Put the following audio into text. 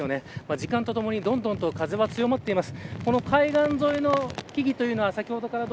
時間とともにどんどん風が強まっています。